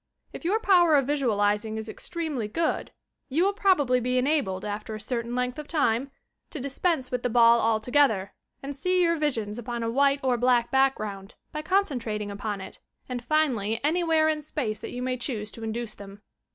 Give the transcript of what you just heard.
If your power of visualiz ing is extremely good you will probably be enabled, after a certain length of time, fo dispense with the ball altogether, and see your visions upon a white or black background, by concentrating upon it, and 6nally anywhere in space that you may choose to induce them.